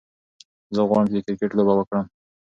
زه غواړم چې د کرکت لوبه وکړم.